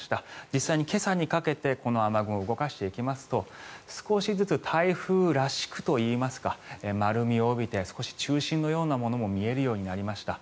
実際に今朝にかけてこの雨雲を動かしていきますと少しずつ台風らしくといいますか丸みを帯びて少し中心のようなものも見えるようになりました。